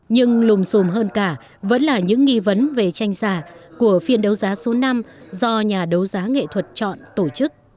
nhưng lùng xùm hơn cả vẫn là những nghi vấn về tranh giả của phiên đấu giá số năm do nhà đấu giá nghệ thuật chọn tổ chức